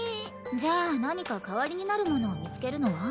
じゃあ何か代わりになるものを見つけるのは？